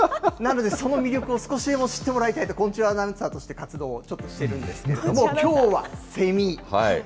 なので、その魅力を少しでも知ってもらいたいと、昆虫アナウンサーとして活動、ちょっとしてるんです。きょうはセミ。